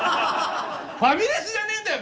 ファミレスじゃねえんだよ